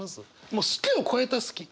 もう「好き」をこえた「好き」。